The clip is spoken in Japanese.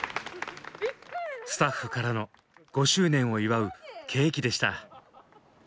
スタッフからの５周年を祝うケーキでした。